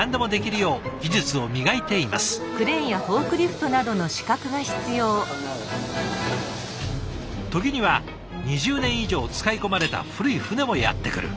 時には２０年以上使い込まれた古い船もやってくる。